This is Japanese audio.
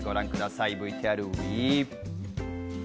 ＶＴＲＷＥ！